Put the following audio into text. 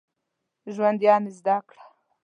ژوند يعني زده کړه.